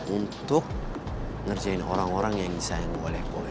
untuk ngerjain orang orang yang disayang gue oleh gue